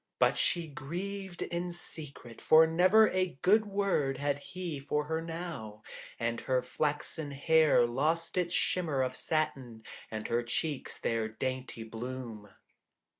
But she grieved in secret, for never a good word had he for her now, and her flaxen hair lost its shimmer of satin, and her cheeks their dainty bloom.